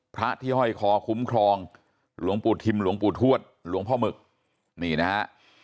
พระที่ห้อยคอคุ้มครองหลวงปู่ทิมหลวงปู่ทวดหลวงพ่อหมึกนี่นะฮะ